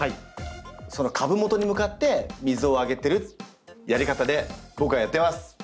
株元に向かって水をあげてるやり方で僕はやってます。